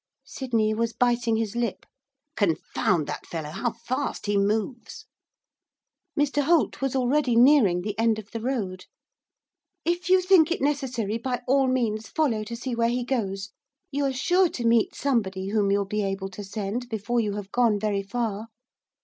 Sydney was biting his lip. 'Confound that fellow! how fast he moves.' Mr Holt was already nearing the end of the road. 'If you think it necessary, by all means follow to see where he goes, you are sure to meet somebody whom you will be able to send before you have gone very far.